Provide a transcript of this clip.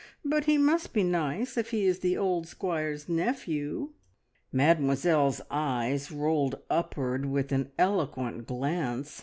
But he must be nice, if he is the old squire's nephew." Mademoiselle's eyes rolled upward with an eloquent glance.